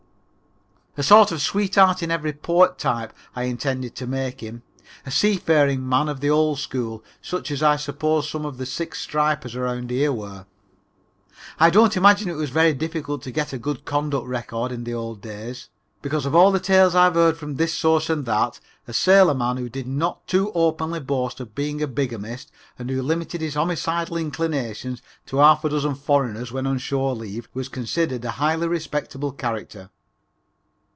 A sort of sweetheart in every port type I intend to make him a seafaring man of the old school such as I suppose some of the six stripers around here were. I don't imagine it was very difficult to get a good conduct record in the old days, because from all the tales I've heard from this source and that, a sailor man who did not too openly boast of being a bigamist and who limited his homicidical inclinations to half a dozen foreigners when on shore leave, was considered a highly respectable character.